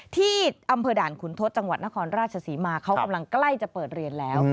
ที่อำเภอด่านขุนทศจังหวัดนครราชศรีมาเขากำลังใกล้จะเปิดเรียนแล้ว